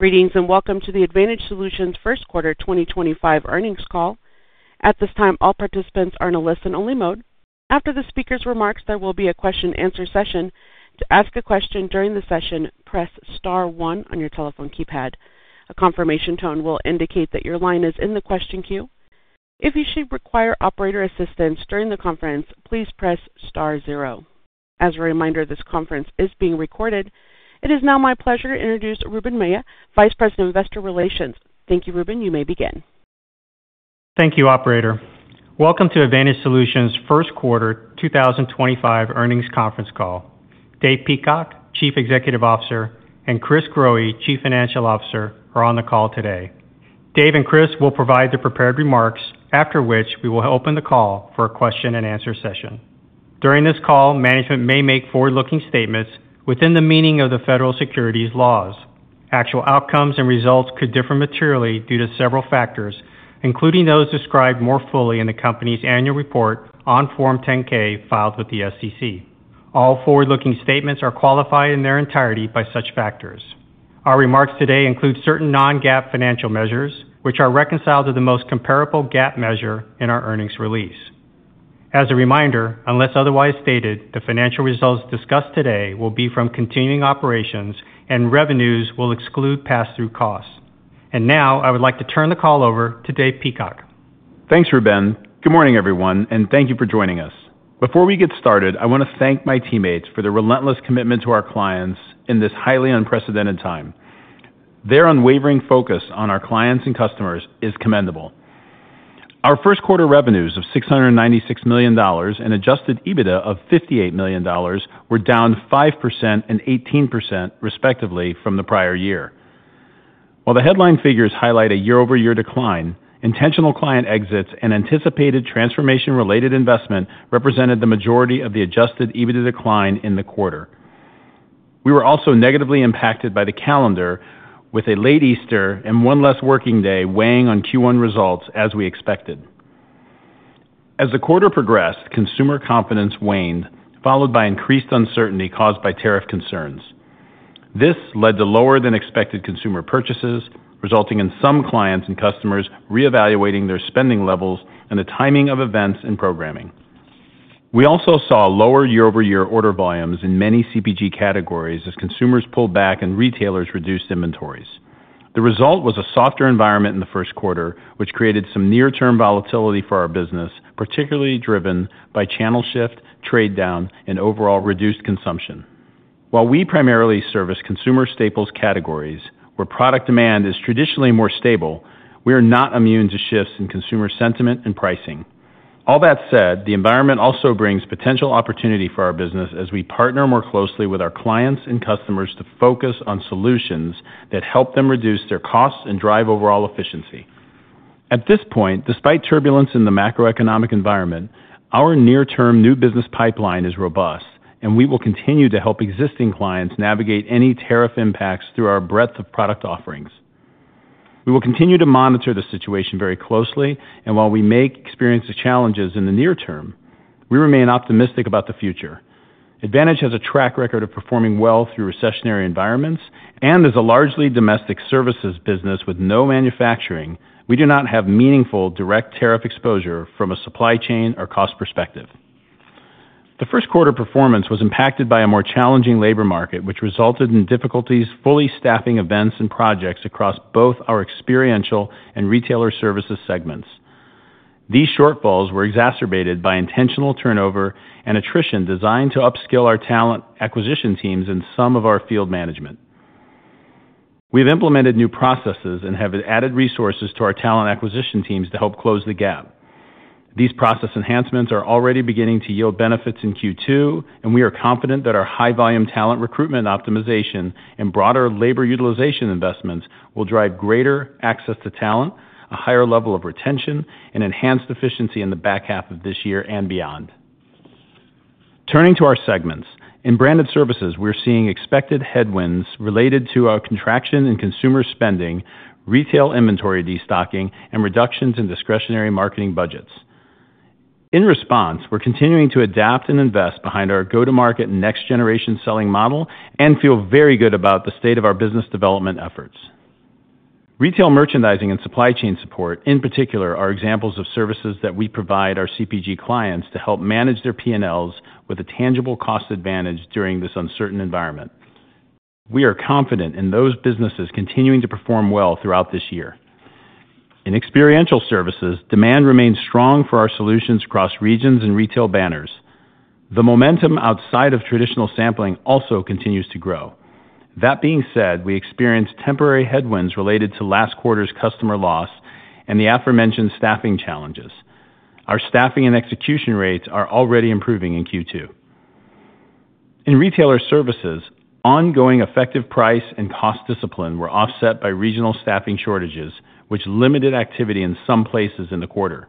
Greetings and welcome to the Advantage Solutions first quarter 2025 earnings call. At this time, all participants are in a listen-only mode. After the speaker's remarks, there will be a question-and-answer session. To ask a question during the session, press star one on your telephone keypad. A confirmation tone will indicate that your line is in the question queue. If you should require operator assistance during the conference, please press star zero. As a reminder, this conference is being recorded. It is now my pleasure to introduce Ruben Mella, Vice President of Investor Relations. Thank you, Ruben. You may begin. Thank you, Operator. Welcome to Advantage Solutions first quarter 2025 earnings conference call. Dave Peacock, Chief Executive Officer, and Chris Growe, Chief Financial Officer, are on the call today. Dave and Chris will provide the prepared remarks, after which we will open the call for a question-and-answer session. During this call, management may make forward-looking statements within the meaning of the federal securities laws. Actual outcomes and results could differ materially due to several factors, including those described more fully in the company's annual report on Form 10-K filed with the SEC. All forward-looking statements are qualified in their entirety by such factors. Our remarks today include certain non-GAAP financial measures, which are reconciled to the most comparable GAAP measure in our earnings release. As a reminder, unless otherwise stated, the financial results discussed today will be from continuing operations, and revenues will exclude pass-through costs. I would like to turn the call over to Dave Peacock. Thanks, Ruben. Good morning, everyone, and thank you for joining us. Before we get started, I want to thank my teammates for their relentless commitment to our clients in this highly unprecedented time. Their unwavering focus on our clients and customers is commendable. Our first quarter revenues of $696 million and adjusted EBITDA of $58 million were down 5% and 18%, respectively, from the prior year. While the headline figures highlight a year-over-year decline, intentional client exits and anticipated transformation-related investment represented the majority of the adjusted EBITDA decline in the quarter. We were also negatively impacted by the calendar, with a late Easter and one less working day weighing on Q1 results, as we expected. As the quarter progressed, consumer confidence waned, followed by increased uncertainty caused by tariff concerns. This led to lower-than-expected consumer purchases, resulting in some clients and customers reevaluating their spending levels and the timing of events and programming. We also saw lower year-over-year order volumes in many CPG categories as consumers pulled back and retailers reduced inventories. The result was a softer environment in the first quarter, which created some near-term volatility for our business, particularly driven by channel shift, trade down, and overall reduced consumption. While we primarily service consumer staples categories, where product demand is traditionally more stable, we are not immune to shifts in consumer sentiment and pricing. All that said, the environment also brings potential opportunity for our business as we partner more closely with our clients and customers to focus on solutions that help them reduce their costs and drive overall efficiency. At this point, despite turbulence in the macroeconomic environment, our near-term new business pipeline is robust, and we will continue to help existing clients navigate any tariff impacts through our breadth of product offerings. We will continue to monitor the situation very closely, and while we may experience challenges in the near term, we remain optimistic about the future. Advantage has a track record of performing well through recessionary environments, and as a largely domestic services business with no manufacturing, we do not have meaningful direct tariff exposure from a supply chain or cost perspective. The first quarter performance was impacted by a more challenging labor market, which resulted in difficulties fully staffing events and projects across both our experiential and retailer services segments. These shortfalls were exacerbated by intentional turnover and attrition designed to upskill our talent acquisition teams and some of our field management. We have implemented new processes and have added resources to our talent acquisition teams to help close the gap. These process enhancements are already beginning to yield benefits in Q2, and we are confident that our high-volume talent recruitment optimization and broader labor utilization investments will drive greater access to talent, a higher level of retention, and enhanced efficiency in the back half of this year and beyond. Turning to our segments, in Branded Services, we're seeing expected headwinds related to our contraction in consumer spending, retail inventory destocking, and reductions in discretionary marketing budgets. In response, we're continuing to adapt and invest behind our go-to-market next-generation selling model and feel very good about the state of our business development efforts. Retail merchandising and supply chain support, in particular, are examples of services that we provide our CPG clients to help manage their P&Ls with a tangible cost advantage during this uncertain environment. We are confident in those businesses continuing to perform well throughout this year. In experiential services, demand remains strong for our solutions across regions and retail banners. The momentum outside of traditional sampling also continues to grow. That being said, we experienced temporary headwinds related to last quarter's customer loss and the aforementioned staffing challenges. Our staffing and execution rates are already improving in Q2. In retailer services, ongoing effective price and cost discipline were offset by regional staffing shortages, which limited activity in some places in the quarter.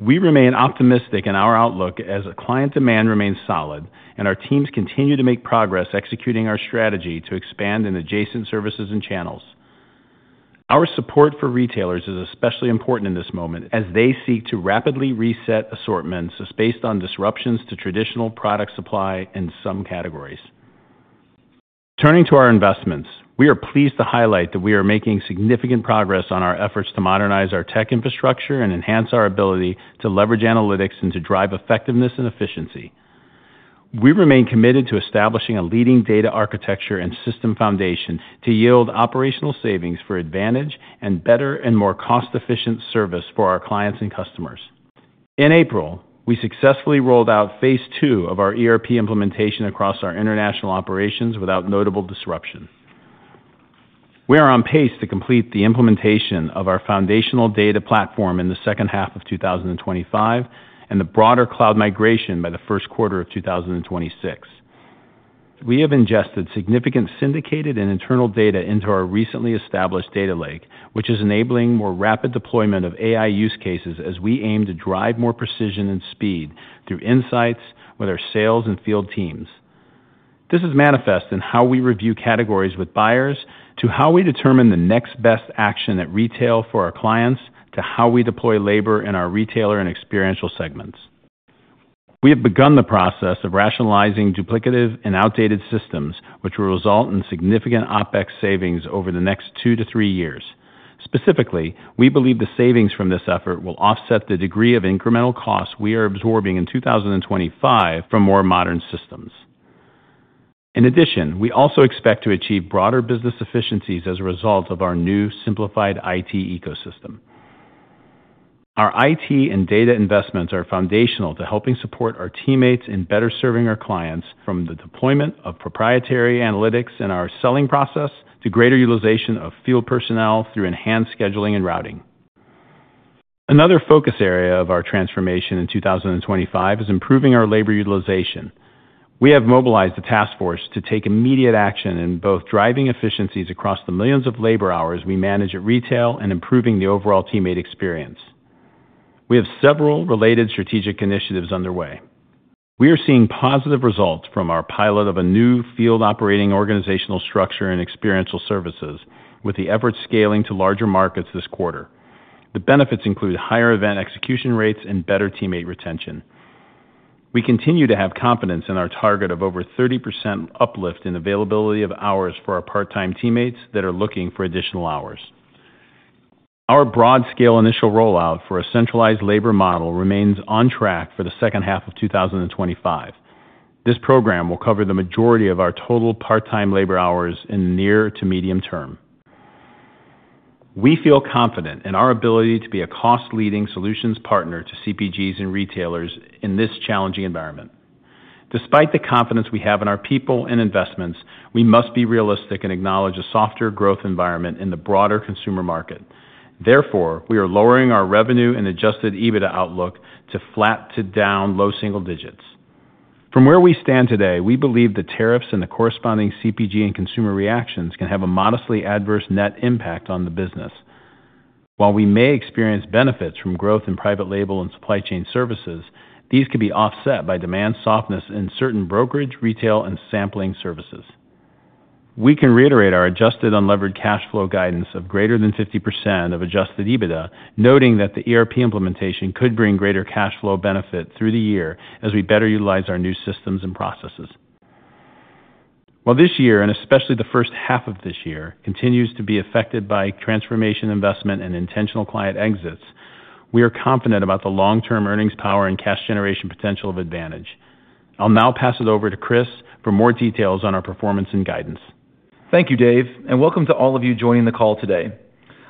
We remain optimistic in our outlook as client demand remains solid, and our teams continue to make progress executing our strategy to expand in adjacent services and channels. Our support for retailers is especially important in this moment as they seek to rapidly reset assortments based on disruptions to traditional product supply in some categories. Turning to our investments, we are pleased to highlight that we are making significant progress on our efforts to modernize our tech infrastructure and enhance our ability to leverage analytics and to drive effectiveness and efficiency. We remain committed to establishing a leading data architecture and system foundation to yield operational savings for Advantage and better and more cost-efficient service for our clients and customers. In April, we successfully rolled out phase two of our ERP implementation across our international operations without notable disruption. We are on pace to complete the implementation of our foundational data platform in the second half of 2025 and the broader cloud migration by the first quarter of 2026. We have ingested significant syndicated and internal data into our recently established data lake, which is enabling more rapid deployment of AI use cases as we aim to drive more precision and speed through insights with our sales and field teams. This is manifest in how we review categories with buyers, to how we determine the next best action at retail for our clients, to how we deploy labor in our retailer and experiential segments. We have begun the process of rationalizing duplicative and outdated systems, which will result in significant OPEX savings over the next two to three years. Specifically, we believe the savings from this effort will offset the degree of incremental costs we are absorbing in 2025 from more modern systems. In addition, we also expect to achieve broader business efficiencies as a result of our new simplified IT ecosystem. Our IT and data investments are foundational to helping support our teammates in better serving our clients from the deployment of proprietary analytics in our selling process to greater utilization of field personnel through enhanced scheduling and routing. Another focus area of our transformation in 2025 is improving our labor utilization. We have mobilized a task force to take immediate action in both driving efficiencies across the millions of labor hours we manage at retail and improving the overall teammate experience. We have several related strategic initiatives underway. We are seeing positive results from our pilot of a new field operating organizational structure and experiential services, with the effort scaling to larger markets this quarter. The benefits include higher event execution rates and better teammate retention. We continue to have confidence in our target of over 30% uplift in availability of hours for our part-time teammates that are looking for additional hours. Our broad-scale initial rollout for a centralized labor model remains on track for the second half of 2025. This program will cover the majority of our total part-time labor hours in the near to medium term. We feel confident in our ability to be a cost-leading solutions partner to CPGs and retailers in this challenging environment. Despite the confidence we have in our people and investments, we must be realistic and acknowledge a softer growth environment in the broader consumer market. Therefore, we are lowering our revenue and adjusted EBITDA outlook to flat to down low single digits. From where we stand today, we believe the tariffs and the corresponding CPG and consumer reactions can have a modestly adverse net impact on the business. While we may experience benefits from growth in private label and supply chain services, these can be offset by demand softness in certain brokerage, retail, and sampling services. We can reiterate our adjusted unlevered free cash flow guidance of greater than 50% of adjusted EBITDA, noting that the ERP implementation could bring greater cash flow benefit through the year as we better utilize our new systems and processes. While this year, and especially the first half of this year, continues to be affected by transformation investment and intentional client exits, we are confident about the long-term earnings power and cash generation potential of Advantage. I'll now pass it over to Chris for more details on our performance and guidance. Thank you, Dave, and welcome to all of you joining the call today.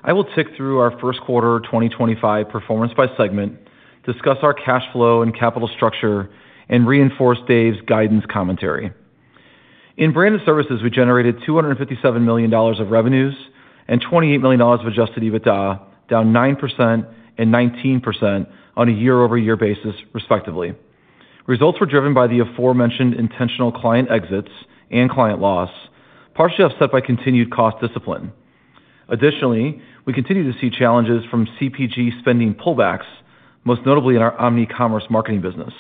I will tick through our first quarter 2025 performance by segment, discuss our cash flow and capital structure, and reinforce Dave's guidance commentary. In Branded Services, we generated $257 million of revenues and $28 million of adjusted EBITDA, down 9% and 19% on a year-over-year basis, respectively. Results were driven by the aforementioned intentional client exits and client loss, partially offset by continued cost discipline. Additionally, we continue to see challenges from CPG spending pullbacks, most notably in our omni commerce marketing business.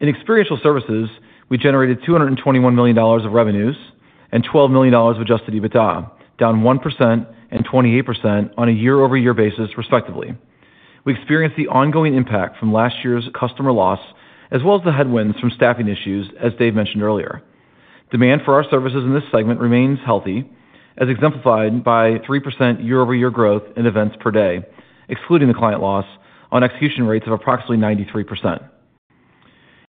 In Experiential Services, we generated $221 million of revenues and $12 million of adjusted EBITDA, down 1% and 28% on a year-over-year basis, respectively. We experienced the ongoing impact from last year's customer loss as well as the headwinds from staffing issues, as Dave mentioned earlier. Demand for our services in this segment remains healthy, as exemplified by 3% year-over-year growth in events per day, excluding the client loss, on execution rates of approximately 93%.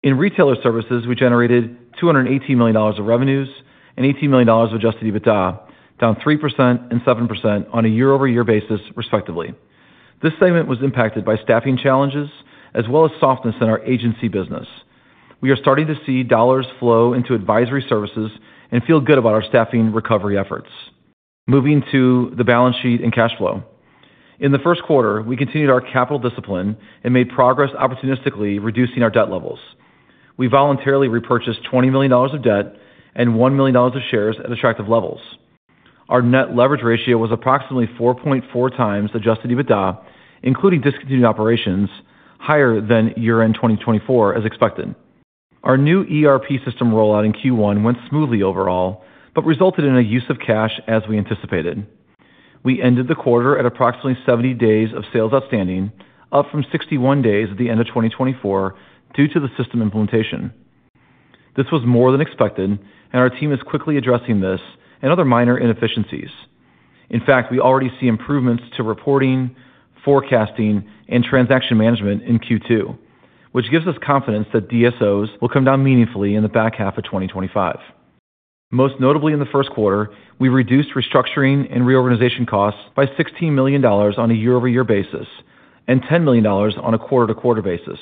In retailer services, we generated $218 million of revenues and $18 million of adjusted EBITDA, down 3% and 7% on a year-over-year basis, respectively. This segment was impacted by staffing challenges as well as softness in our agency business. We are starting to see dollars flow into advisory services and feel good about our staffing recovery efforts. Moving to the balance sheet and cash flow. In the first quarter, we continued our capital discipline and made progress opportunistically reducing our debt levels. We voluntarily repurchased $20 million of debt and $1 million of shares at attractive levels. Our net leverage ratio was approximately 4.4 times adjusted EBITDA, including discontinued operations, higher than year-end 2024, as expected. Our new ERP system rollout in Q1 went smoothly overall but resulted in a use of cash as we anticipated. We ended the quarter at approximately 70 days sales outstanding, up from 61 days at the end of 2024 due to the system implementation. This was more than expected, and our team is quickly addressing this and other minor inefficiencies. In fact, we already see improvements to reporting, forecasting, and transaction management in Q2, which gives us confidence that DSOs will come down meaningfully in the back half of 2025. Most notably, in the first quarter, we reduced restructuring and reorganization costs by $16 million on a year-over-year basis and $10 million on a quarter-to-quarter basis.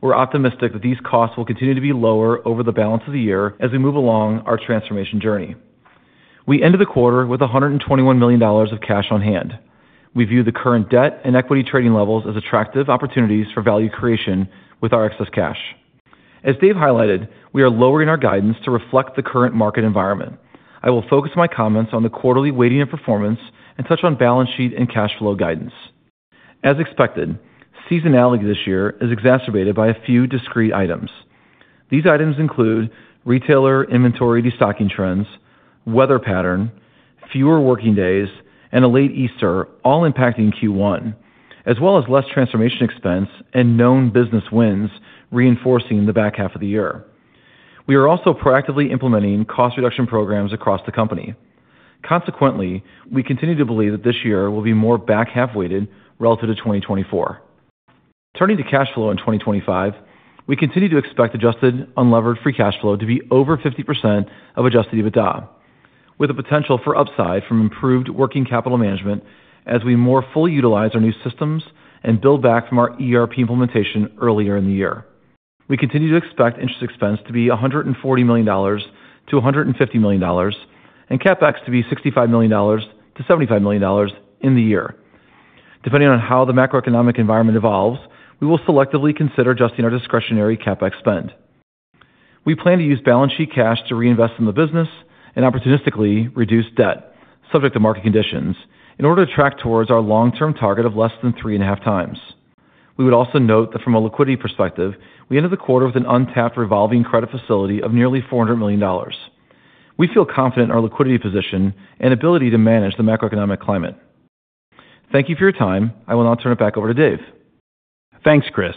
We're optimistic that these costs will continue to be lower over the balance of the year as we move along our transformation journey. We ended the quarter with $121 million of cash on hand. We view the current debt and equity trading levels as attractive opportunities for value creation with our excess cash. As Dave highlighted, we are lowering our guidance to reflect the current market environment. I will focus my comments on the quarterly weighting and performance and touch on balance sheet and cash flow guidance. As expected, seasonality this year is exacerbated by a few discrete items. These items include retailer inventory destocking trends, weather pattern, fewer working days, and a late Easter, all impacting Q1, as well as less transformation expense and known business wins reinforcing the back half of the year. We are also proactively implementing cost reduction programs across the company. Consequently, we continue to believe that this year will be more back-half-weighted relative to 2024. Turning to cash flow in 2025, we continue to expect adjusted unlevered free cash flow to be over 50% of adjusted EBITDA, with a potential for upside from improved working capital management as we more fully utilize our new systems and build back from our ERP implementation earlier in the year. We continue to expect interest expense to be $140 million-$150 million and CapEx to be $65 million-$75 million in the year. Depending on how the macroeconomic environment evolves, we will selectively consider adjusting our discretionary CapEx spend. We plan to use balance sheet cash to reinvest in the business and opportunistically reduce debt, subject to market conditions, in order to track towards our long-term target of less than three and a half times. We would also note that from a liquidity perspective, we ended the quarter with an untapped revolving credit facility of nearly $400 million. We feel confident in our liquidity position and ability to manage the macroeconomic climate. Thank you for your time. I will now turn it back over to Dave. Thanks, Chris.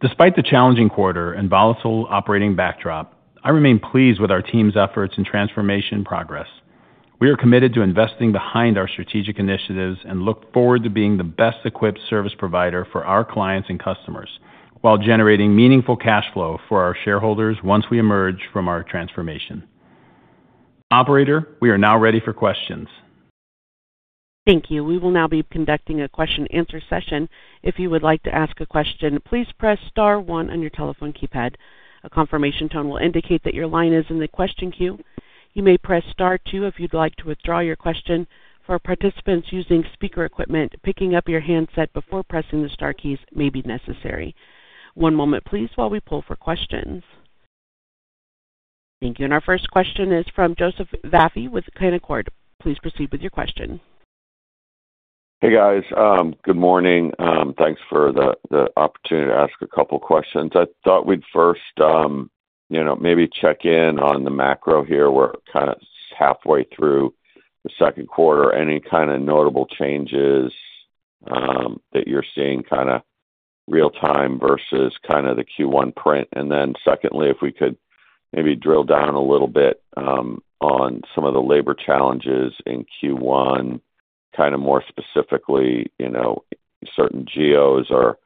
Despite the challenging quarter and volatile operating backdrop, I remain pleased with our team's efforts and transformation progress. We are committed to investing behind our strategic initiatives and look forward to being the best-equipped service provider for our clients and customers while generating meaningful cash flow for our shareholders once we emerge from our transformation. Operator, we are now ready for questions. Thank you. We will now be conducting a question-and-answer session. If you would like to ask a question, please press star one on your telephone keypad. A confirmation tone will indicate that your line is in the question queue. You may press star two if you'd like to withdraw your question. For participants using speaker equipment, picking up your handset before pressing the Star keys may be necessary. One moment, please, while we pull for questions. Thank you. Our first question is from Joseph Vafi with Canaccord. Please proceed with your question. Hey, guys. Good morning. Thanks for the opportunity to ask a couple of questions. I thought we'd first maybe check in on the macro here. We're kind of halfway through the second quarter. Any kind of notable changes that you're seeing kind of real-time versus kind of the Q1 print? Secondly, if we could maybe drill down a little bit on some of the labor challenges in Q1, kind of more specifically certain geos or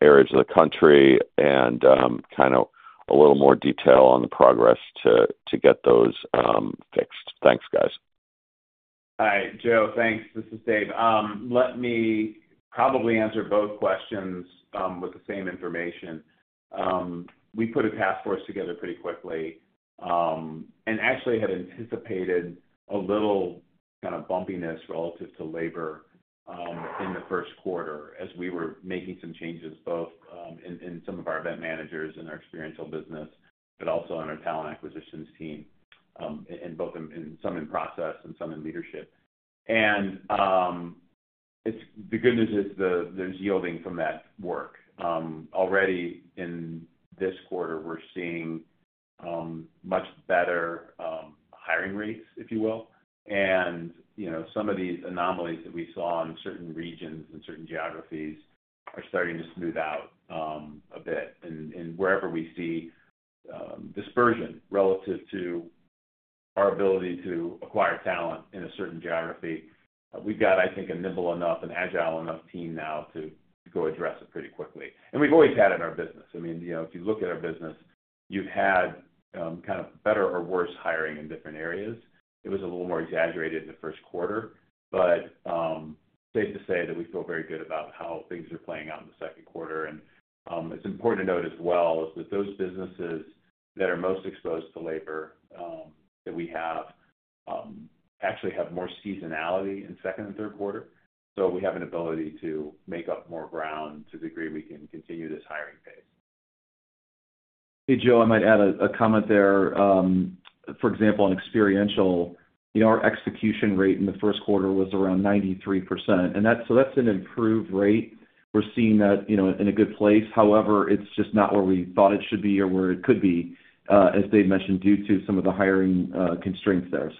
areas of the country and kind of a little more detail on the progress to get those fixed. Thanks, guys. Hi, Joe. Thanks. This is Dave. Let me probably answer both questions with the same information. We put a task force together pretty quickly and actually had anticipated a little kind of bumpiness relative to labor in the first quarter as we were making some changes both in some of our event managers and our experiential business, but also on our talent acquisitions team and some in process and some in leadership. The good news is there is yielding from that work. Already in this quarter, we are seeing much better hiring rates, if you will. Some of these anomalies that we saw in certain regions and certain geographies are starting to smooth out a bit. Wherever we see dispersion relative to our ability to acquire talent in a certain geography, we have, I think, a nimble enough and agile enough team now to go address it pretty quickly. We have always had it in our business. I mean, if you look at our business, you have had kind of better or worse hiring in different areas. It was a little more exaggerated in the first quarter, but safe to say that we feel very good about how things are playing out in the second quarter. It is important to note as well that those businesses that are most exposed to labor that we have actually have more seasonality in second and third quarter. We have an ability to make up more ground to the degree we can continue this hiring pace. Hey, Joe, I might add a comment there. For example, on experiential, our execution rate in the first quarter was around 93%. That is an improved rate. We are seeing that in a good place. However, it is just not where we thought it should be or where it could be, as Dave mentioned, due to some of the hiring constraints there.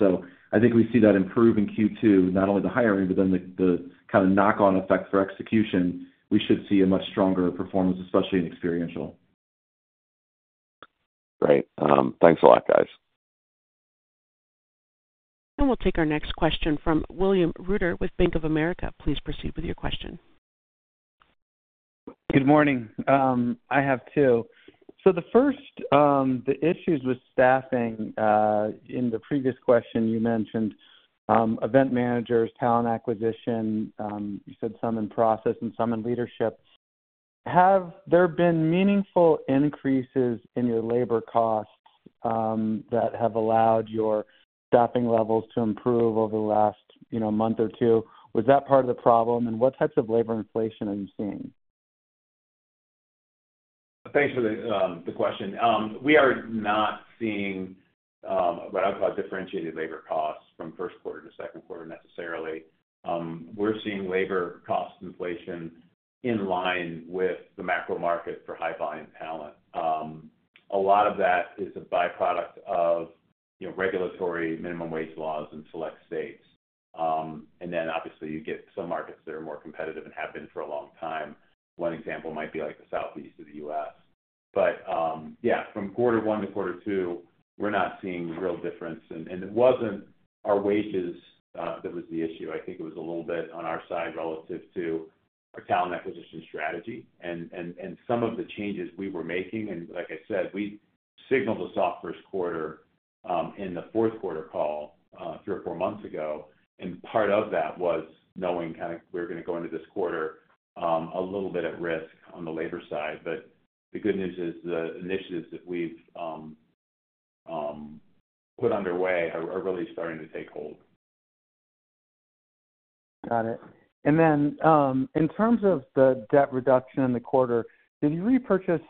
I think we see that improve in Q2, not only the hiring, but then the kind of knock-on effect for execution. We should see a much stronger performance, especially in experiential. Great. Thanks a lot, guys. We will take our next question from William Reuter with Bank of America. Please proceed with your question. Good morning. I have two. The issues with staffing in the previous question you mentioned, event managers, talent acquisition, you said some in process and some in leadership. Have there been meaningful increases in your labor costs that have allowed your staffing levels to improve over the last month or two? Was that part of the problem? What types of labor inflation are you seeing? Thanks for the question. We are not seeing what I would call differentiated labor costs from first quarter to second quarter necessarily. We are seeing labor cost inflation in line with the macro market for high-volume talent. A lot of that is a byproduct of regulatory minimum wage laws in select states. Obviously, you get some markets that are more competitive and have been for a long time. One example might be like southeast to the U.S. Yeah, from quarter one to quarter two, we're not seeing real difference. It wasn't our wages that was the issue. I think it was a little bit on our side relative to our talent acquisition strategy and some of the changes we were making. Like I said, we signaled this off first quarter in the fourth quarter call three or four months ago. Part of that was knowing kind of we were going to go into this quarter a little bit at risk on the labor side. The good news is the initiatives that we've put underway are really starting to take hold. Got it. In terms of the debt reduction in the quarter, did you repurchase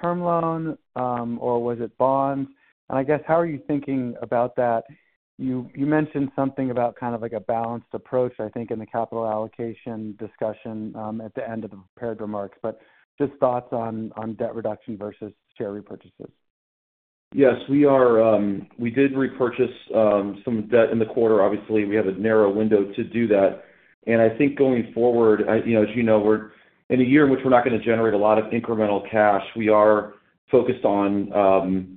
term loan or was it bonds? I guess, how are you thinking about that? You mentioned something about kind of like a balanced approach, I think, in the capital allocation discussion at the end of the prepared remarks. Just thoughts on debt reduction versus share repurchases? Yes. We did repurchase some debt in the quarter. Obviously, we had a narrow window to do that. I think going forward, as you know, in a year in which we're not going to generate a lot of incremental cash, we are focused on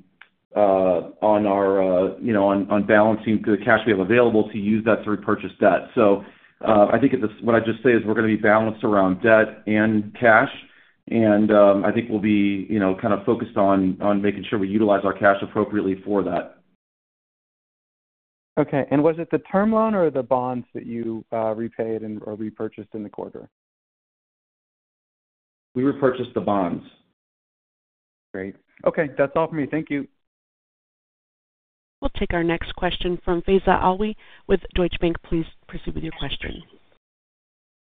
our balancing through the cash we have available to use that to repurchase debt. I think what I just say is we're going to be balanced around debt and cash. I think we'll be kind of focused on making sure we utilize our cash appropriately for that. Okay. Was it the term loan or the bonds that you repaid or repurchased in the quarter? We repurchased the bonds. Great. Okay. That's all for me. Thank you. We'll take our next question from Faiza Alwy with Deutsche Bank. Please proceed with your question.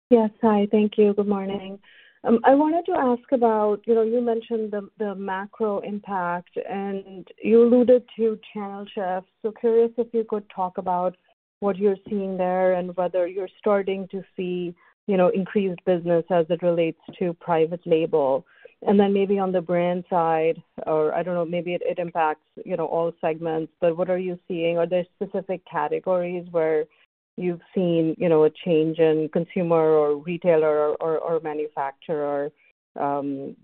Yes. Hi. Thank you. Good morning. I wanted to ask about you mentioned the macro impact, and you alluded to channel shift. So curious if you could talk about what you're seeing there and whether you're starting to see increased business as it relates to private label. And then maybe on the brand side, or I don't know, maybe it impacts all segments. What are you seeing? Are there specific categories where you've seen a change in consumer or retailer or manufacturer demand?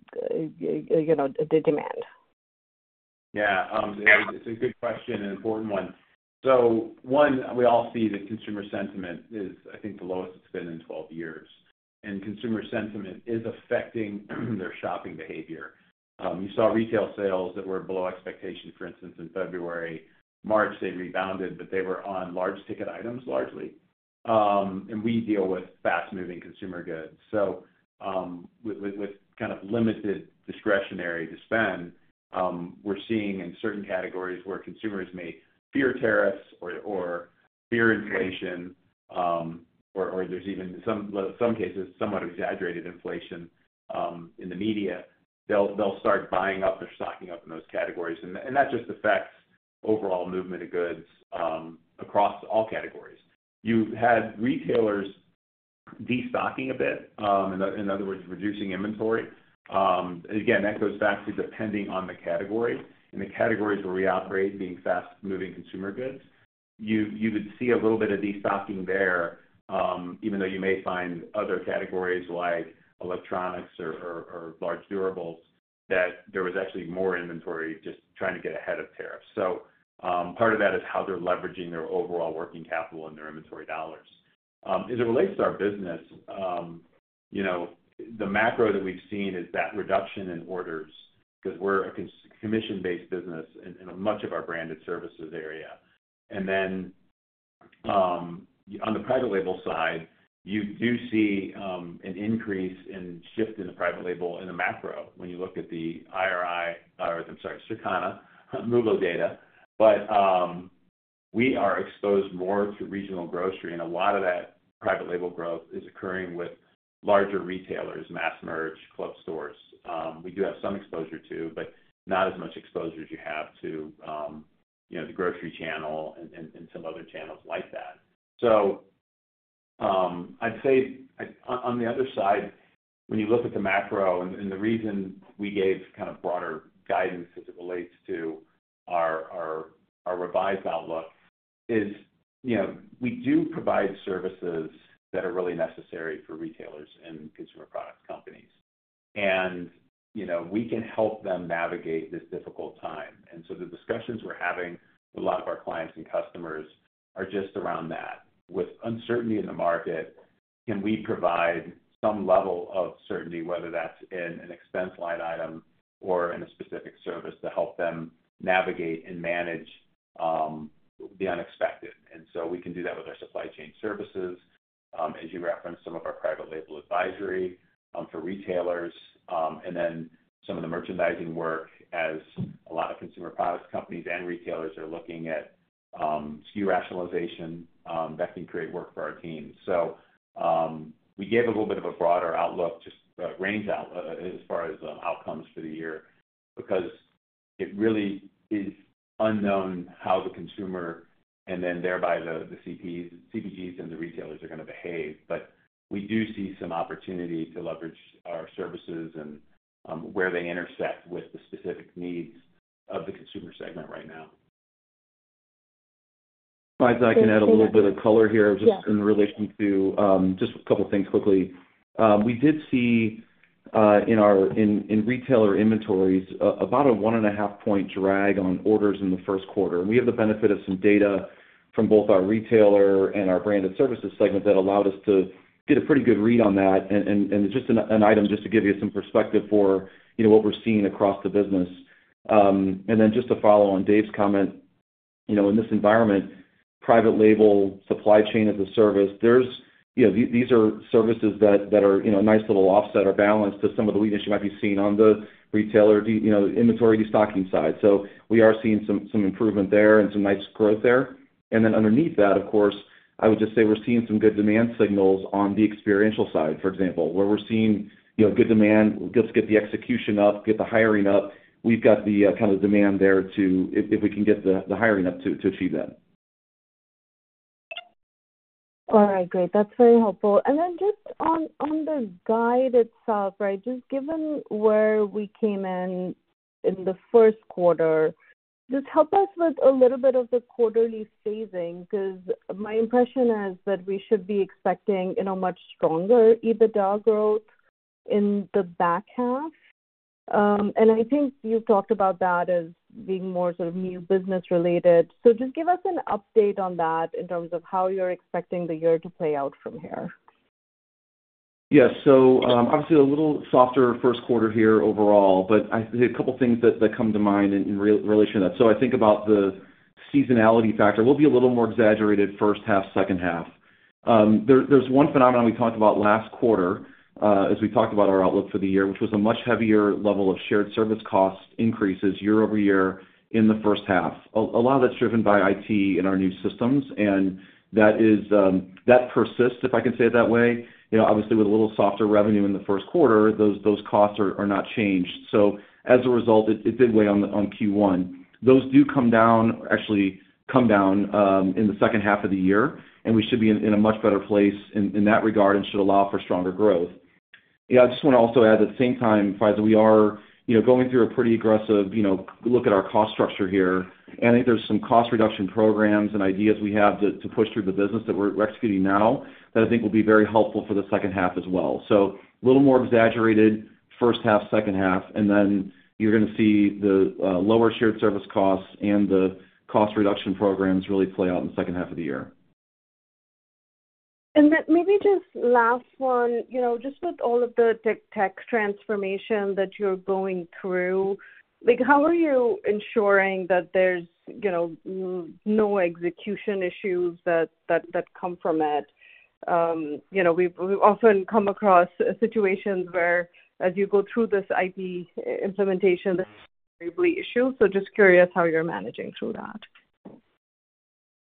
Yeah. It's a good question and important one. One, we all see that consumer sentiment is, I think, the lowest it's been in 12 years. Consumer sentiment is affecting their shopping behavior. You saw retail sales that were below expectation, for instance, in February. March, they rebounded, but they were on large ticket items largely. We deal with fast-moving consumer goods. With kind of limited discretionary to spend, we're seeing in certain categories where consumers may fear tariffs or fear inflation, or there's even, in some cases, somewhat exaggerated inflation in the media, they'll start buying up or stocking up in those categories. That just affects overall movement of goods across all categories. You had retailers destocking a bit, in other words, reducing inventory. Again, that goes back to depending on the category. In the categories where we operate, being fast-moving consumer goods, you would see a little bit of destocking there, even though you may find other categories like electronics or large durables that there was actually more inventory just trying to get ahead of tariffs. Part of that is how they're leveraging their overall working capital and their inventory dollars. As it relates to our business, the macro that we've seen is that reduction in orders because we're a commission-based business in much of our Branded Services area. On the private label side, you do see an increase in shift in the private label in the macro when you look at the Circana MULO data. We are exposed more to regional grocery. A lot of that private label growth is occurring with larger retailers, mass merch, club stores. We do have some exposure to, but not as much exposure as you have to the grocery channel and some other channels like that. I'd say on the other side, when you look at the macro, and the reason we gave kind of broader guidance as it relates to our revised outlook is we do provide services that are really necessary for retailers and consumer product companies. We can help them navigate this difficult time. The discussions we're having with a lot of our clients and customers are just around that. With uncertainty in the market, can we provide some level of certainty, whether that's in an expense line item or in a specific service to help them navigate and manage the unexpected? We can do that with our supply chain services, as you referenced, some of our private label advisory for retailers, and then some of the merchandising work as a lot of consumer product companies and retailers are looking at SKU rationalization that can create work for our team. We gave a little bit of a broader outlook, just a range as far as outcomes for the year because it really is unknown how the consumer and then thereby the CPGs and the retailers are going to behave. We do see some opportunity to leverage our services and where they intersect with the specific needs of the consumer segment right now. If I can add a little bit of color here, just in relation to just a couple of things quickly. We did see in retailer inventories about a one and a half point drag on orders in the first quarter. We have the benefit of some data from both our retailer and our Branded Services segment that allowed us to get a pretty good read on that. It is just an item just to give you some perspective for what we are seeing across the business. Just to follow on Dave's comment, in this environment, private label, supply chain as a service, these are services that are a nice little offset or balance to some of the weakness you might be seeing on the retailer inventory stocking side. We are seeing some improvement there and some nice growth there. Underneath that, of course, I would just say we are seeing some good demand signals on the experiential side, for example, where we are seeing good demand. Let's get the execution up, get the hiring up. We've got the kind of demand there to, if we can get the hiring up, to achieve that. All right. Great. That's very helpful. And then just on the guide itself, right, just given where we came in the first quarter, just help us with a little bit of the quarterly phasing because my impression is that we should be expecting a much stronger EBITDA growth in the back half. I think you've talked about that as being more sort of new business-related. Just give us an update on that in terms of how you're expecting the year to play out from here. Yeah. Obviously, a little softer first quarter here overall, but a couple of things that come to mind in relation to that. I think about the seasonality factor. We'll be a little more exaggerated first half, second half. There's one phenomenon we talked about last quarter as we talked about our outlook for the year, which was a much heavier level of shared service cost increases year-over-year in the first half. A lot of that's driven by IT and our new systems. And that persists, if I can say it that way. Obviously, with a little softer revenue in the first quarter, those costs are not changed. As a result, it did weigh on Q1. Those do come down, actually come down in the second half of the year. We should be in a much better place in that regard and should allow for stronger growth. Yeah. I just want to also add at the same time, Faisal, we are going through a pretty aggressive look at our cost structure here. I think there are some cost reduction programs and ideas we have to push through the business that we are executing now that I think will be very helpful for the second half as well. A little more exaggerated first half, second half. You are going to see the lower shared service costs and the cost reduction programs really play out in the second half of the year. Maybe just last one, just with all of the tech transformation that you are going through, how are you ensuring that there are no execution issues that come from it? We have often come across situations where, as you go through this ERP implementation, there are variable issues. Just curious how you are managing through that.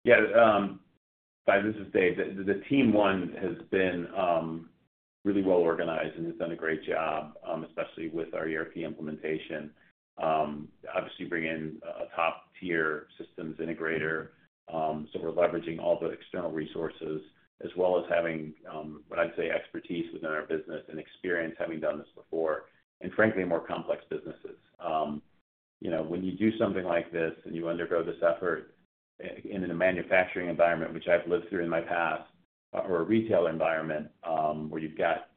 Yeah. This is Dave. The team, one, has been really well organized and has done a great job, especially with our ERP implementation. Obviously, bringing in a top-tier systems integrator. We're leveraging all the external resources as well as having, what I'd say, expertise within our business and experience having done this before. Frankly, more complex businesses. When you do something like this and you undergo this effort in a manufacturing environment, which I've lived through in my past, or a retail environment where you've got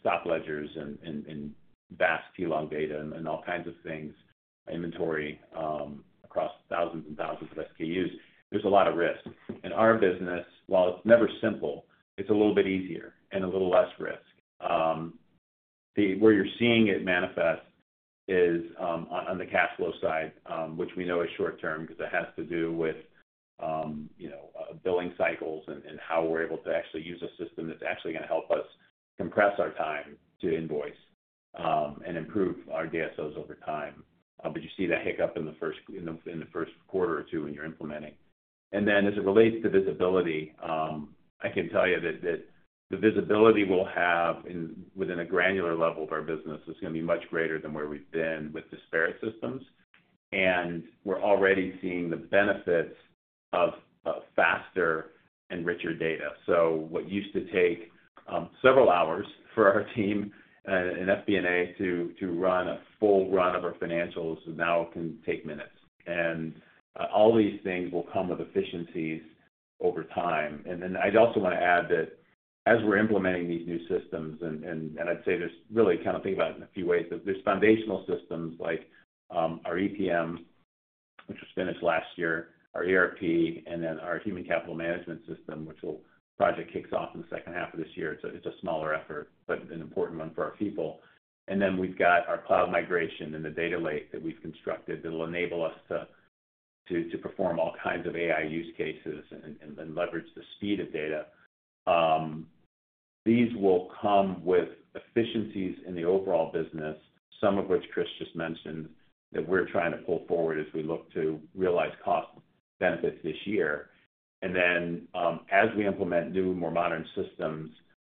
stock ledgers and vast, elongated, and all kinds of things, inventory across thousands and thousands of SKUs, there's a lot of risk. In our business, while it's never simple, it's a little bit easier and a little less risk. Where you're seeing it manifest is on the cash flow side, which we know is short-term because it has to do with billing cycles and how we're able to actually use a system that's actually going to help us compress our time to invoice and improve our DSOs over time. You see that hiccup in the first quarter or two when you're implementing. As it relates to visibility, I can tell you that the visibility we'll have within a granular level of our business is going to be much greater than where we've been with disparate systems. We're already seeing the benefits of faster and richer data. What used to take several hours for our team, in FP&A, to run a full run of our financials, now can take minutes. All these things will come with efficiencies over time. I also want to add that as we're implementing these new systems, and I'd say there's really kind of think about it in a few ways, that there's foundational systems like our EPM, which was finished last year, our ERP, and then our human capital management system, which will project kicks off in the second half of this year. It's a smaller effort, but an important one for our people. We have our cloud migration and the data lake that we've constructed that will enable us to perform all kinds of AI use cases and leverage the speed of data. These will come with efficiencies in the overall business, some of which Chris just mentioned that we're trying to pull forward as we look to realize cost benefits this year. As we implement new, more modern systems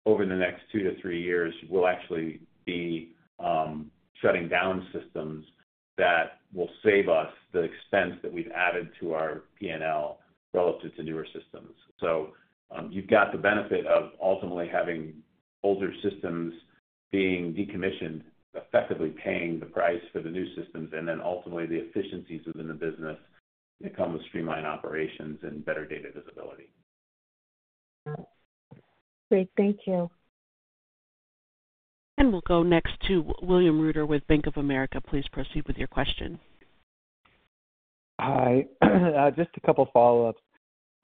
over the next two to three years, we will actually be shutting down systems that will save us the expense that we have added to our P&L relative to newer systems. You have the benefit of ultimately having older systems being decommissioned, effectively paying the price for the new systems, and then ultimately the efficiencies within the business that come with streamlined operations and better data visibility. Great. Thank you. We will go next to William Reuter with Bank of America. Please proceed with your question. Hi. Just a couple of follow-ups.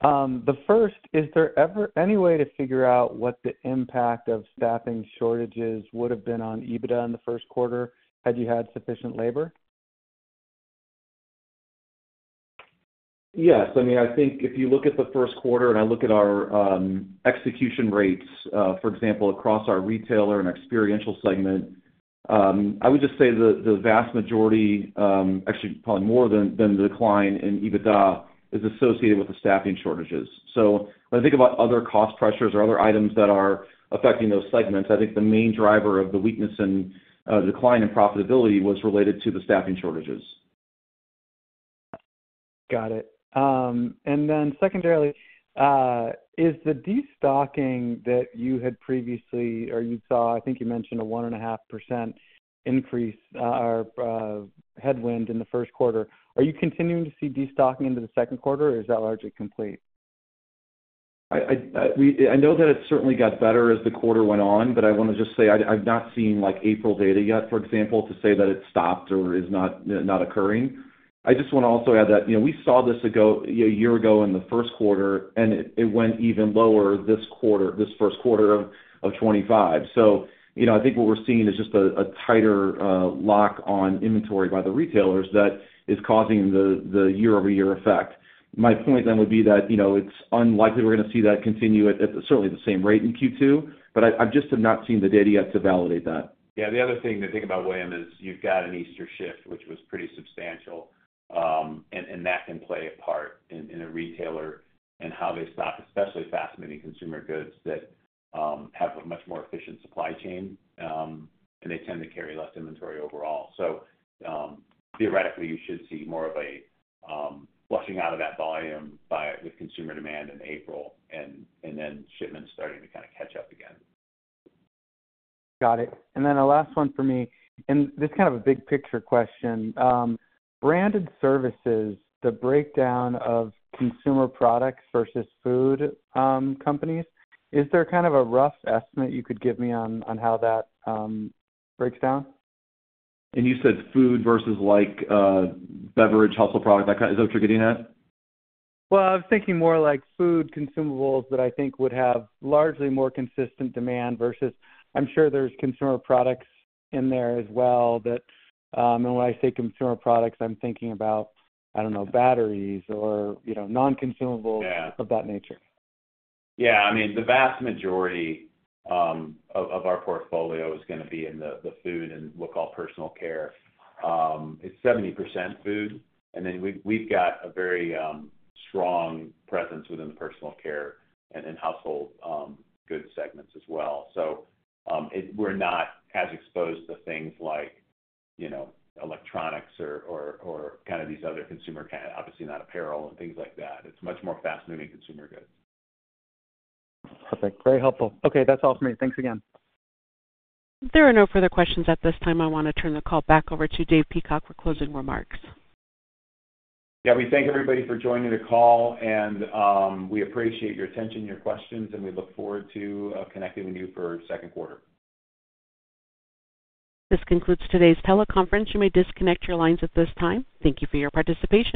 The first, is there ever any way to figure out what the impact of staffing shortages would have been on EBITDA in the first quarter had you had sufficient labor? Yes. I mean, I think if you look at the first quarter and I look at our execution rates, for example, across our retailer and experiential segment, I would just say the vast majority, actually probably more than the decline in EBITDA, is associated with the staffing shortages. When I think about other cost pressures or other items that are affecting those segments, I think the main driver of the weakness and decline in profitability was related to the staffing shortages. Got it. Secondarily, is the destocking that you had previously or you saw, I think you mentioned a 1.5% increase or headwind in the first quarter, are you continuing to see destocking into the second quarter, or is that largely complete? I know that it certainly got better as the quarter went on, but I want to just say I've not seen April data yet, for example, to say that it stopped or is not occurring. I just want to also add that we saw this a year ago in the first quarter, and it went even lower this quarter, this first quarter of 2025. I think what we're seeing is just a tighter lock on inventory by the retailers that is causing the year-over-year effect. My point then would be that it's unlikely we're going to see that continue at certainly the same rate in Q2, but I just have not seen the data yet to validate that. Yeah. The other thing to think about, William, is you've got an Easter shift, which was pretty substantial, and that can play a part in a retailer and how they stock, especially fast-moving consumer goods that have a much more efficient supply chain, and they tend to carry less inventory overall. Theoretically, you should see more of a flushing out of that volume with consumer demand in April and then shipments starting to kind of catch up again. Got it. A last one for me. This is kind of a big picture question. Branded Services, the breakdown of consumer products versus food companies, is there kind of a rough estimate you could give me on how that breaks down? You said food versus beverage, household product, that kind of is that what you're getting at? I was thinking more like food consumables that I think would have largely more consistent demand versus I'm sure there's consumer products in there as well that when I say consumer products, I'm thinking about, I don't know, batteries or non-consumables of that nature. Yeah. I mean, the vast majority of our portfolio is going to be in the food and what we call personal care. It's 70% food. And then we've got a very strong presence within the personal care and household goods segments as well. We're not as exposed to things like electronics or kind of these other consumer, kind of obviously not apparel and things like that. It's much more fast-moving consumer goods. Perfect. Very helpful. Okay. That's all for me. Thanks again. There are no further questions at this time. I want to turn the call back over to Dave Peacock for closing remarks. Yeah. We thank everybody for joining the call, and we appreciate your attention, your questions, and we look forward to connecting with you for second quarter. This concludes today's teleconference. You may disconnect your lines at this time. Thank you for your participation.